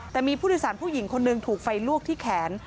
แต่มีผู้โดยสารผู้หญิงคนหนึ่งถูกไฟลวกที่แขน